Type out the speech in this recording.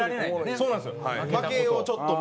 そうなんですよ。